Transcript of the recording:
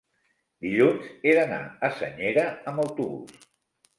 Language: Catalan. Dilluns he d'anar a Senyera amb autobús.